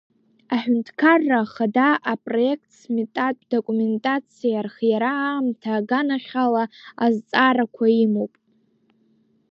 Аҳәынҭқарра ахада апроектт-сметатә документациа архиара аамҭа аганахь ала азҵаарақәа имоуп.